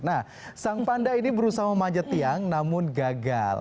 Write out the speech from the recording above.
nah sang panda ini berusaha memanjat tiang namun gagal